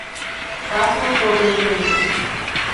Caso sobreseído".